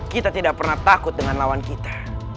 kita tidak pernah takut dengan lawan kita